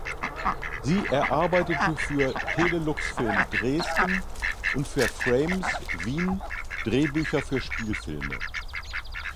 Sie erarbeitete für „Telelux-Film“, Dresden und für „Frames“, Wien Drehbücher für Spielfilme.